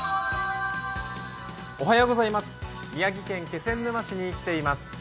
宮城県気仙沼市に来ています。